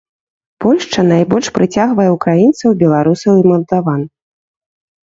Польшча найбольш прыцягвае ўкраінцаў, беларусаў і малдаван.